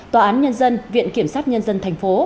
tòa án nhân dân viện kiểm sát nhân dân tp